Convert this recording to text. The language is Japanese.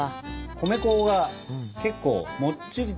米粉が結構もっちりとした。